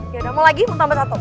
tiada mau lagi mau tambah satu